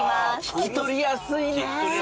聞き取りやすい。